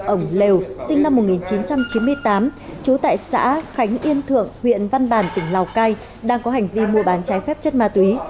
ông lều sinh năm một nghìn chín trăm chín mươi tám trú tại xã khánh yên thượng huyện văn bàn tỉnh lào cai đang có hành vi mua bán trái phép chất ma túy